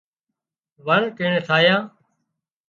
وڻ ٽڻ ٺاهيان